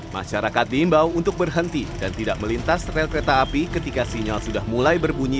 masyarakat diimbau untuk berhenti dan tidak melintas rel kereta api ketika sinyal sudah mulai berbunyi